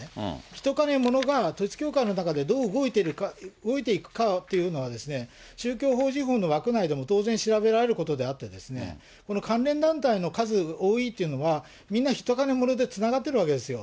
人、金、物が統一教会の中でどう動いていくかというのは、宗教法人法の枠内でも当然調べられることであって、関連団体の数が多いというのは、みんな人、金、物でつながっているわけですよ。